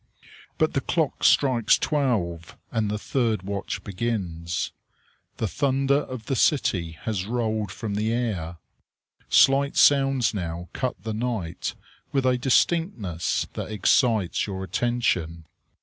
But the clock strikes twelve, and the third watch begins. The thunder of the city has rolled from the air. Slight sounds now cut the night with a distinctness that excites your attention.